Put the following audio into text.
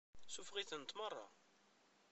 Suffeɣ-itent meṛṛa.